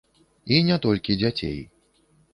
І не толькі дзяцей.